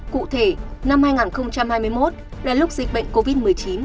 cụ thể năm hai nghìn hai mươi một là lúc dịch bệnh covid một mươi chín